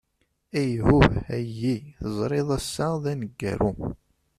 Ayhuh a yyi! Teẓrid ass-a d aneggaru.